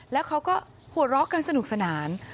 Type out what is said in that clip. แล้วเขาก็หัวเราะกันสนุกสนาน